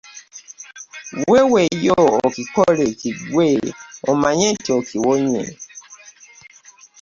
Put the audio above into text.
Weeweeyo okikole kiggwe omanye nti okiwonye.